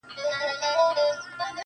لكه گلاب چي سمال ووهي ويده سمه زه,